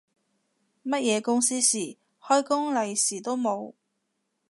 乜嘢公司事，開工利是都冇